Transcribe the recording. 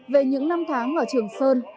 về những năm tháng ở trường sơn